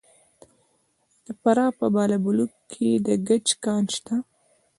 د فراه په بالابلوک کې د ګچ کان شته.